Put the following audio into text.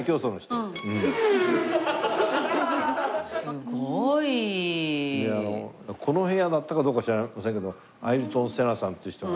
すごい！この部屋だったかどうか知りませんけどアイルトン・セナさんっていう人がね。